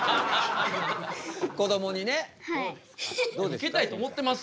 ウケたいと思ってます。